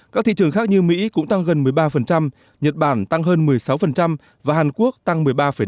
các thị trường khác như mỹ cũng tăng gần một mươi ba nhật bản tăng hơn một mươi sáu và hàn quốc tăng một mươi ba bảy